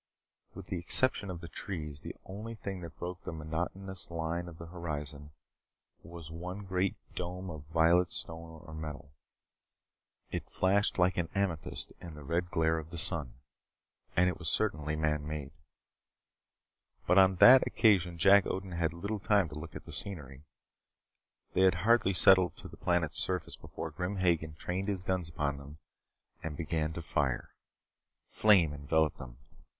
With the exception of the trees, the only thing that broke the monotonous line of the horizon was one great dome of violet stone or metal. It flashed like an amethyst in the red glare of the sun and it was certainly man made. But on that occasion Jack Odin had little time to look at the scenery. They had hardly settled to the planet's surface before Grim Hagen trained his guns upon them and began to fire. Flame enveloped them.